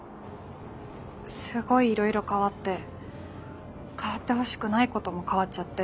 すごいいろいろ変わって変わってほしくないことも変わっちゃって。